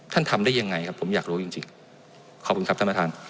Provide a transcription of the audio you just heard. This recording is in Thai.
ทำได้ยังไงครับผมอยากรู้จริงจริงขอบคุณครับท่านประธาน